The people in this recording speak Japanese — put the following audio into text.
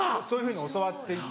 そういうふうに教わって。